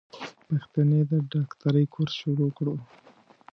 پښتنې د ډاکټرۍ کورس شروع کړو.